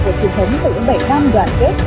của trường thống của những bảy tham đoàn kết